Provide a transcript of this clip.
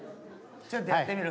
ちょっとやってみる？